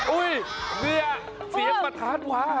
อุ๊ยเหลือเสียงประทานว้าย